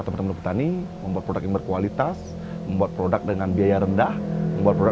teman teman petani membuat produk yang berkualitas membuat produk dengan biaya rendah membuat produk